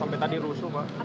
sampai tadi rusuh pak